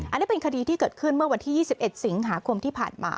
อันนี้เป็นคดีที่เกิดขึ้นเมื่อวันที่๒๑สิงหาคมที่ผ่านมา